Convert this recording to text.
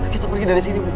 kita pergi dari sini bu